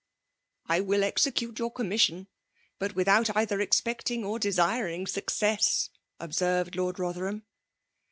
'*" I will execute your comtnisuon ; but with out either expecting or desiring success, c<> aerved Lord Botherham.